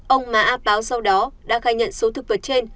ông má a páo sau đó đã khai nhận số thực vật trên